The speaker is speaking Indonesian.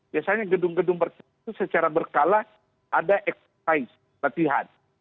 biasanya gedung gedung tertentu secara berkala ada exercise latihan